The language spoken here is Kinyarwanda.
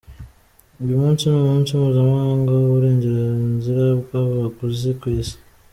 Uyu munsi ni umunsi mpuzamahanga w’uburenganzira bw’abaguzi ku isi.